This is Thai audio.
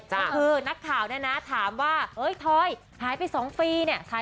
คือนักข่าวถามว่าหายไป๒ปีเนี่ย